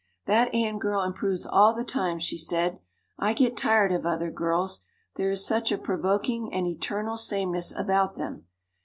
"That Anne girl improves all the time," she said. "I get tired of other girls there is such a provoking and eternal sameness about them.